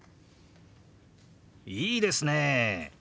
いいですね！